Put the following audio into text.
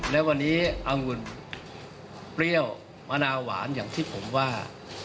และวันนี้อังุ่นเปรี้ยวมะนาวหวานอย่างที่ผมว่า